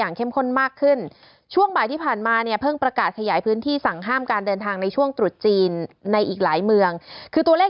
เข้มข้นมากขึ้นช่วงบ่ายที่ผ่านมาเนี่ยเพิ่งประกาศขยายพื้นที่สั่งห้ามการเดินทางในช่วงตรุษจีนในอีกหลายเมืองคือตัวเลข